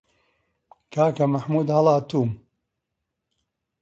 کاکە مەحموود هەڵاتووم